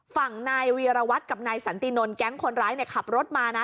ฝั่งนายวีรวัตรกับนายสันตินนท์แก๊งคนร้ายขับรถมานะ